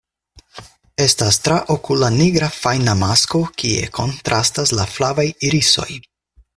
Estas traokula nigra fajna masko kie kontrastas la flavaj irisoj.